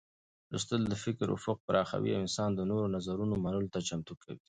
لوستل د فکر افق پراخوي او انسان د نوو نظرونو منلو ته چمتو کوي.